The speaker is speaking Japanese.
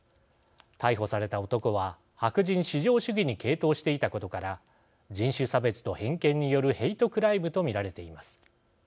逮捕された男は白人至上主義に傾倒していたことから人種差別と偏見によるヘイトクライムとみられています。